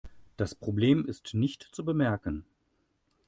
Das Problem ist nicht zu bemerken.